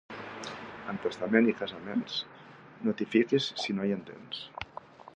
En testament i casaments no t'hi fiquis si no hi entens.